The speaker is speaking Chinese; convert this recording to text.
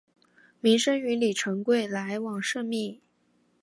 明升与李成桂来往甚密。